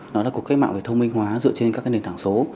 nó là cuộc cách mạng về thông minh hóa dựa trên các nền thẳng số